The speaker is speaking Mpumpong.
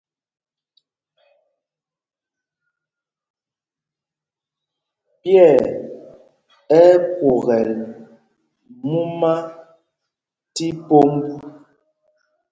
Pye ɛ́ ɛ́ kwokɛl múma tí pômb.